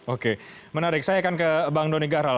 oke menarik saya akan ke bang doni gahral